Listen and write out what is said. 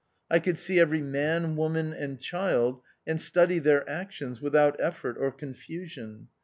I could see every man, woman, and child, and study their actions without effort or confusion.